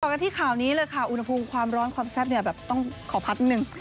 กันที่ข่าวนี้เลยค่ะอุณหภูมิความร้อนความแซ่บเนี่ยแบบต้องขอพักหนึ่ง